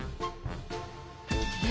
え？